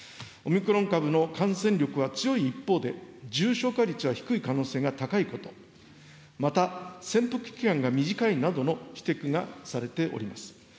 オミクロン株の感染力は強い一方で、重症化率は低い可能性が高いこと、また潜伏期間が短いなどの指摘がされております。